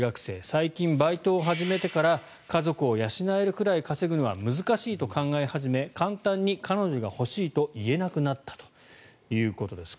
最近バイトを始めてから家族を養えるくらい稼ぐのは難しいと考え始め簡単に彼女が欲しいと言えなくなったということです。